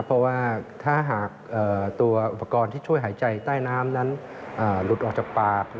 เพราะว่าถ้าหากตัวอุปกรณ์ที่ช่วยหายใจใต้น้ำนั้นหลุดออกจากปาก